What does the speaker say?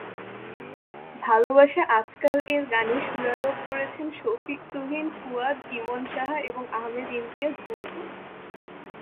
ভালোবাসা আজ কাল এর গানে সুরারোপ করেছেন, শফিক তুহিন, ফুয়াদ, ইমন সাহা এবং আহমেদ ইমতিয়াজ বুলবুল।